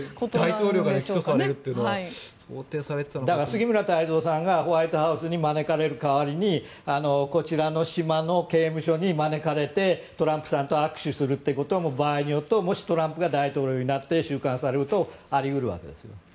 大統領が起訴されるというのは杉村太蔵さんがホワイトハウスに招かれる代わりにこちらの島の刑務所に招かれてトランプさんと握手することも場合によってはもしトランプが大統領になって収監されるとあり得るわけです。